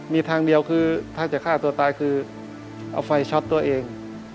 มีทางเดียวคือถ้าจะฆ่าตัวตายคือเอาไฟช็อตตัวเอง